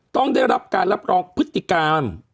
ต้องได้รับการรับรองพฤติการ